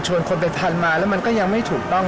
คนเป็นพันมาแล้วมันก็ยังไม่ถูกต้อง